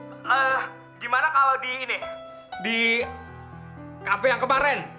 eee gimana kalo di ini di kafe yang kemarin